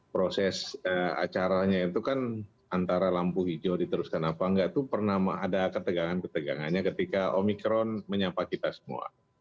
proses acaranya itu kan antara lampu hijau diteruskan apa enggak itu pernah ada ketegangan ketegangannya ketika omikron menyapa kita semua